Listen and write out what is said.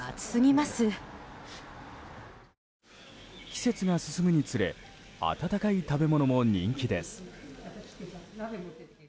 季節が進むにつれ温かい食べ物も人気です。